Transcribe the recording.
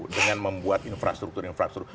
dengan membuat infrastruktur infrastruktur